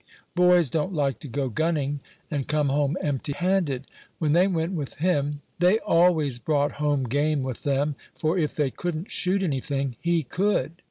Boys don't like to go gunning, and come home empty handed. When they went with him, they always brought home game with them; for if they couldn't shoot anything, he could.